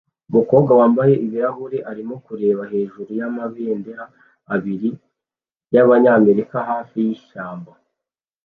Umukobwa wambaye ibirahure arimo kureba hejuru yamabendera abiri yabanyamerika hafi yishyamba